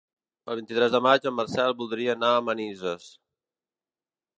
El vint-i-tres de maig en Marcel voldria anar a Manises.